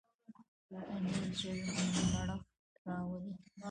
پنېر ژر مړښت راولي.